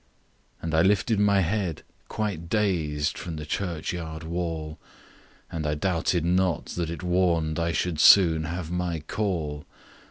"And I lifted my head quite dazed from the churchyard wall And I doubted not that it warned I should soon have my call.